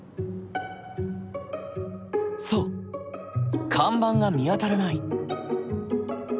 そう看板が見当たらない。